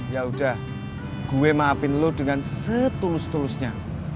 ya udah gue maafin lo dengan setulus tulusnya